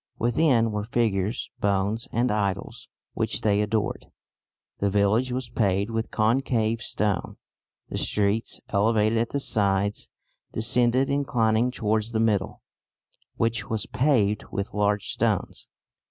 Within were figures, bones, and idols which they adored.... The village was paved with concave stone. The streets, elevated at the sides, descended, inclining towards the middle, which was paved with large stones.